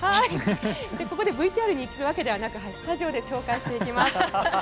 ここでＶＴＲに行くわけではなくスタジオで紹介していきます。